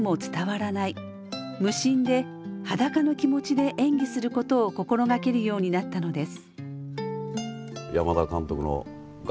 無心で裸の気持ちで演技することを心掛けるようになったのです。